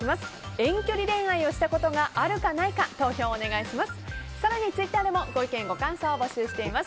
遠距離恋愛をしたことがあるかないか投票をお願いします。